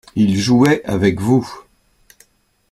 Il jouait avec vous.